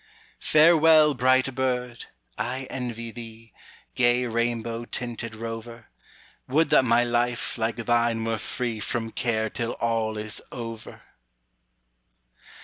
Farewell, bright bird! I envy thee, Gay rainbow tinted rover; Would that my life, like thine, were freeFrom care till all is over!